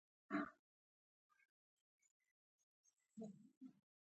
د وزن د زیاتیدو د دوام لپاره د تایرايډ معاینه وکړئ